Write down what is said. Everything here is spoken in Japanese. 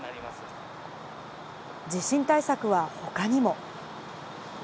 地震対策はほかにも。